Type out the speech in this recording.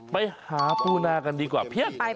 ไปหาปูนากันดีกว่าเพี้ยนไป